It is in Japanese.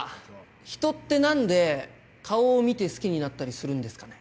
人ってなんで顔を見て好きになったりするんですかね？